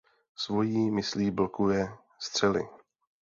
Svojí myslí blokuje střely.